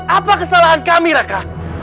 apa kesalahan kami raka